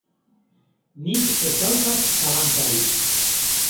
Nik ez daukat zalantzarik.